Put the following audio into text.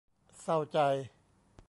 เศร้าใจ !